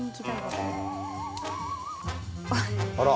あら。